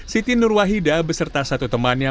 siti nurwahida beserta satu temannya